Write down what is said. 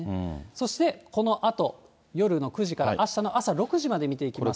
そしてこのあと、夜の９時からあしたの朝６時まで見ていきますと。